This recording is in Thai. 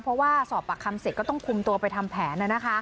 เพราะว่าสอบปากคำเสร็จก็ต้องคุมตัวไปทำแผน